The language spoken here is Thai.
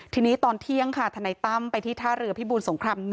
ทีนี้ตอนเที่ยงค่ะทนายตั้มไปที่ท่าเรือพิบูรสงคราม๑